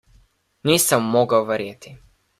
Nisem mogel verjeti.